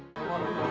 buat gua buat gua